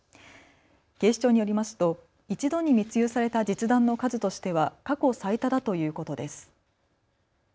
警視庁によりますと一度に密輸された実弾の数としては過去最多だということです。